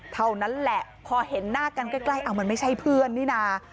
เท่านั้นแหละพอเห็นหน้ากันใกล้มันไม่ใช่เพื่อนนี่นะ